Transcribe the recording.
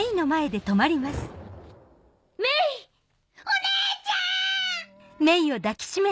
お姉ちゃん‼